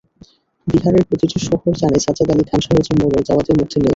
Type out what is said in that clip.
বিহারের প্রতিটা শহর জানে সাজ্জাদ আলী খান সহজে মরে যাওয়াদের মধ্যে নেই।